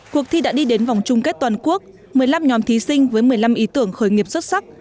cuộc thi đã đi đến vòng chung kết toàn quốc một mươi năm nhóm thí sinh với một mươi năm ý tưởng khởi nghiệp xuất sắc